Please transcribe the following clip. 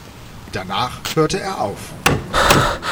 Danach hörte er auf.